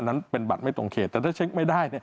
นั้นเป็นบัตรไม่ตรงเขตแต่ถ้าเช็คไม่ได้